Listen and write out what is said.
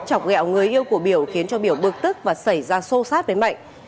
chọc gẹo người yêu của biểu khiến cho biểu bực tức và xảy ra sâu sát với mạnh